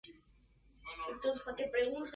El fallo fue recurrido.